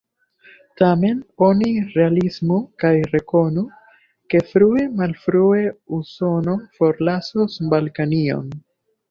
Tamen oni realismu kaj rekonu, ke frue malfrue Usono forlasos Balkanion.